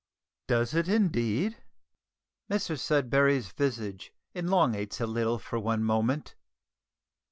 "Does it indeed?" Mr Sudberry's visage elongates a little for one moment.